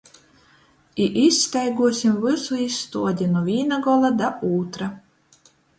I izstaiguosim vysu izstuodi: nu vīna gola da ūtra.